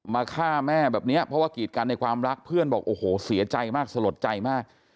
ฆ่าแม่แบบนี้เพราะว่ากีดกันในความรักเพื่อนบอกโอ้โหเสียใจมากสลดใจมาก